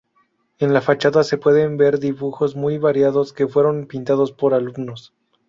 En la fachada se pueden ver dibujos muy variados que fueron pintados por alumnos.